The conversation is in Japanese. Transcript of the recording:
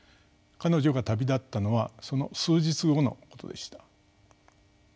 彼女が旅立ったのはその数日後のことでした。